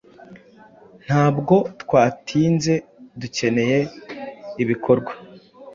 Ntabwo twatinzeDukeneye ibikorwa